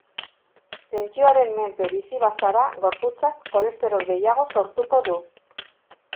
Tentsioaren menpe bizi bazara, gorputzak kolesterol gehiago sortuko du.